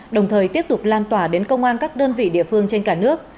đồng thời tiếp tục lan tỏa đến công an các đơn vị địa phương trên cả nước